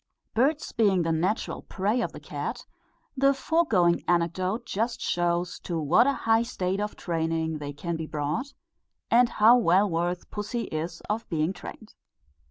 Birds being the natural prey of the cat, the foregoing anecdote just shows to what a high state of training they can be brought, and how well worthy pussy is of being trained.